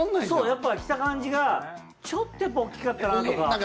そうやっぱ着た感じがちょっとやっぱ大きかったなとか。